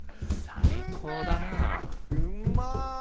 最高だなあ。